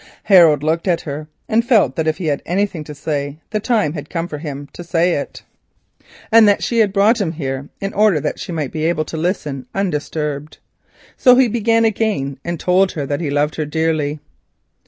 Harold looked at her and felt that if he had anything to say the time had come for him to say it, and that she had brought him here in order that she might be able to listen undisturbed. So he began again, and told her that he loved her dearly.